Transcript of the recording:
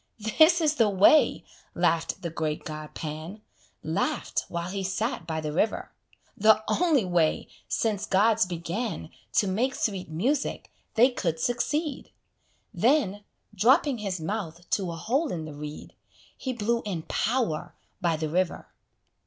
"This is the way," laugh'd the great god Pan, (Laugh'd while he sat by the river) "The only way, since gods began To make sweet music, they could succeed." Then, dropping his mouth to a hole in the reed, He blew in power by the river.